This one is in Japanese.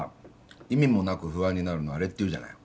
意味もなく不安になるのあれっていうじゃない。